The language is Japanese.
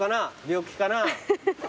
病気かな？